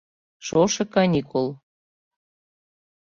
Шошо каникул.